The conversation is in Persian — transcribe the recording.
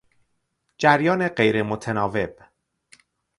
جریان غیر متناوب